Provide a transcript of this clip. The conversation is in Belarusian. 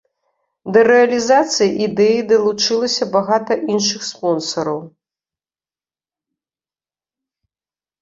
Да рэалізацыі ідэі далучылася багата іншых спонсараў.